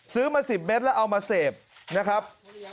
ซื้อมา๑๐เมตรแล้วเอามาเสพนะครับ